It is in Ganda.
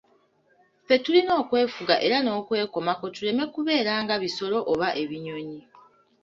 Ffe tulina okwefuga era n'okwekomako tuleme kubeera nga bisolo oba ebinyonyi.